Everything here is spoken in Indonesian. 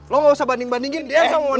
lo gak usah banding bandingin deyan sama moni